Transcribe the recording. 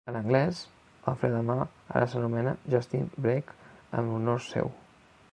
En anglès, el fre de mà ara s'anomena "Justin Brake" en honor seu.